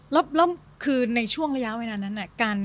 แล้วคือในช่วงระยะไว้นั้นนั้น